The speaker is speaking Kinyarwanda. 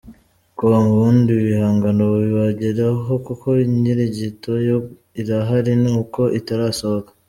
com, ubundi ibihangano bibagereho kuko Inkirigito yo irahari ni uko itarasohoka.